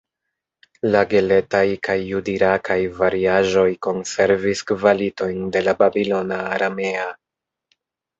La "gelet-aj" kaj jud-irakaj variaĵoj konservis kvalitojn de la babilona aramea.